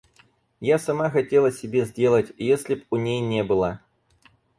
Я сама хотела себе сделать, если б у ней не было.